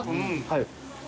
はい。